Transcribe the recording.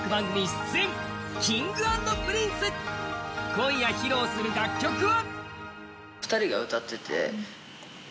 今夜、披露する楽曲は！